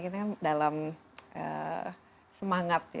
kita dalam semangat